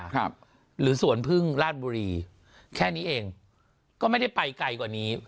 หรือสวนพึ่งราชบุรีแค่นี้เองก็ไม่ได้ไปไกลกว่านี้